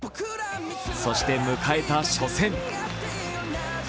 そして迎えた初戦。